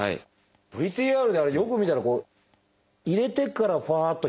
ＶＴＲであれよく見たら入れてからふぁっと広がってましたね。